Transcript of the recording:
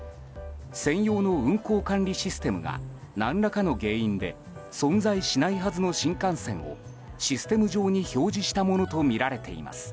専用の運行管理システムが何らかの原因で存在しないはずの新幹線をシステム上に表示したものとみられています。